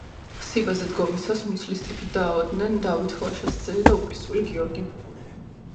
სიბაზე დგომისას მუცლის ტიფით დაავადდნენ დავით ლაშას ძე და უფლისწული გიორგი.